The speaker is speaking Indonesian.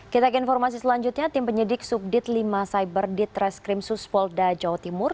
kita ke informasi selanjutnya tim penyedik subdit lima cyberdit reskrim suspolda jawa timur